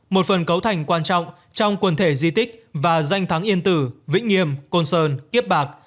một phần cấu thành quan trọng trong quần thể di tích và danh thắng yên tử vĩnh nghiêm côn sơn kiếp bạc